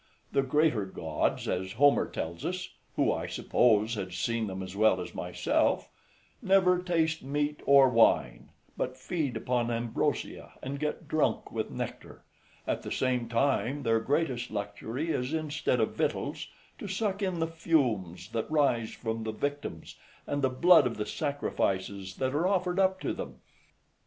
The greater gods, as Homer tells us {187a} (who, I suppose, had seen them as well as myself,) never taste meat or wine, but feed upon ambrosia and get drunk with nectar, at the same time their greatest luxury is, instead of victuals, to suck in the fumes that rise from the victims, and the blood of the sacrifices that are offered up to them.